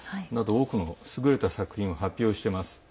多くの優れた作品を発表しています。